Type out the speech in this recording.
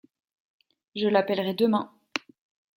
Je l’appellerai demain.